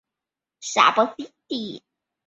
努沃勒埃利耶区是斯里兰卡中央省的一个区。